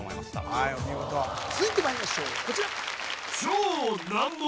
はいお見事続いてまいりましょうこちら